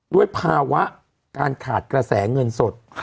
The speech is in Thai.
ด้วยภาวะการขาดกระแสเงินสด